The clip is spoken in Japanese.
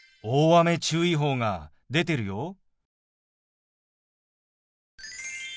大雨注意報が出てるよ。